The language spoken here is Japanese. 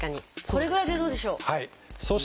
これぐらいでどうでしょう？